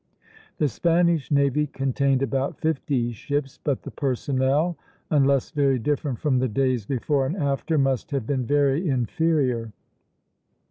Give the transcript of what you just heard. The Spanish navy contained about fifty ships; but the personnel, unless very different from the days before and after, must have been very inferior.